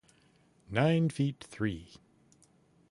Nine feet three.